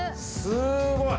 すごい。